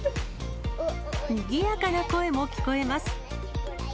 にぎやかな声も聞こえます。